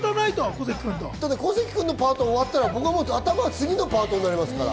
小関君のパートが終わったら、僕の頭は次のパートになるから。